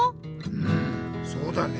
うんそうだね。